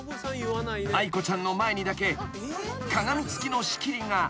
［愛子ちゃんの前にだけ鏡付きの仕切りが］